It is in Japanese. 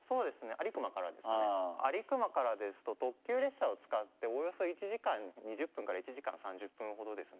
安里隈からですと特急列車を使っておおよそ１時間２０分から１時間３０分ほどですね。